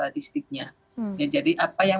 risteknya jadi apa yang